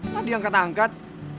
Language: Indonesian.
tadi yang kata angkat